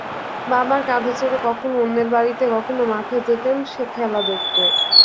বাবার কাঁধে চড়ে কখনো অন্যের বাড়িতে, কখনো মাঠে যেতেন খেলা দেখতে।